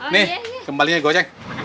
nih kembalinya gue jeng